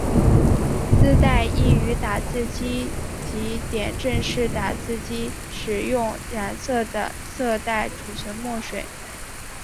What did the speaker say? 丝带亦于打字机及点阵式打印机使用染色的色带储存墨水。